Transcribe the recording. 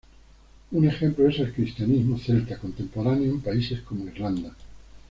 Un ejemplo es el cristianismo celta contemporáneo en países como Irlanda.